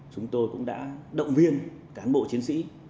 chúng tôi cũng đã động viên cán bộ chiến sĩ